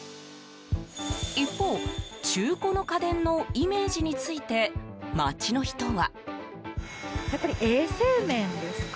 一方、中古の家電のイメージについて街の人は。